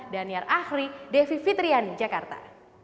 daniar ahri devi fitrian jakarta